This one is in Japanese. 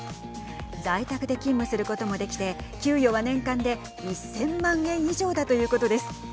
在宅で勤務することもできて給与は年間で１０００万円以上だということです。